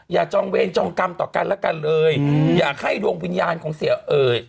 จองเวรจองกรรมต่อกันแล้วกันเลยอยากให้ดวงวิญญาณของเสียเอ่ย